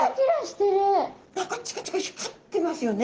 何かチカチカ光ってますよね。